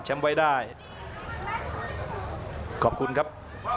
แล้วกลับมาติดตามกันต่อนะครับ